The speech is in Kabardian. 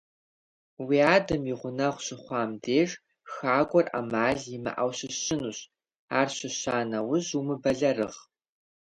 Уи адэм и гъунэгъу щыхъуам деж, хакӀуэр Ӏэмал имыӀэу щыщынущ, ар щыща нэужь, умыбэлэрыгъ.